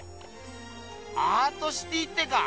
アートシティーってか！